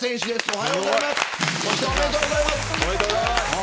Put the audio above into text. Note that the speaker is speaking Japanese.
おめでとうございます。